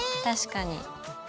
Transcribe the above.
確かに。